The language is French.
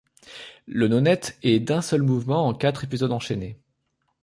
Le nonette est d'un seul mouvement en quatre épisodes enchainés;